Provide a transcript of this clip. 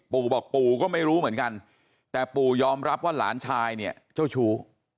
ปู่บอกปู่ก็ไม่รู้เหมือนกันแต่ปู่ยอมรับว่าหลานชายเนี่ยเจ้าชู้